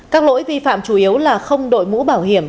các lỗi vi phạm chủ yếu là không đội mũ bảo hiểm